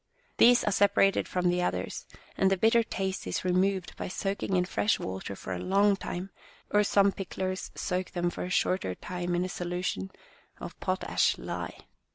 These are separated from the others, and the bitter taste is removed by soaking in fresh water for a long time, or some picklers soak them for a shorter time in a solution of potash lye.